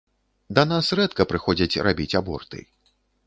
Да нас рэдка прыходзяць рабіць аборты.